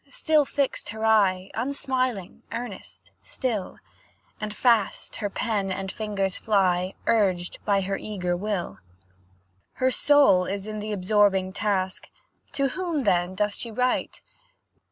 Still fixed her eye, Unsmiling, earnest, still, And fast her pen and fingers fly, Urged by her eager will. Her soul is in th'absorbing task; To whom, then, doth she write?